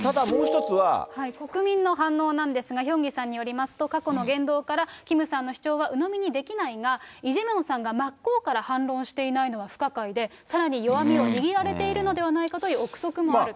国民の反応なんですが、ヒョンギさんによりますと、過去の言動から、キムさんの主張はうのみにできないが、イ・ジェミョンさんが真っ向から反論していないのは不可解で、さらに弱みを握られているのではないかという臆測もあると。